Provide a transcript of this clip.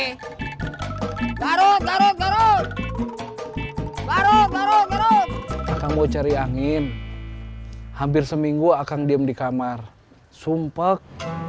hai baru baru baru baru baru kamu cari angin hampir seminggu akan diem di kamar sumpah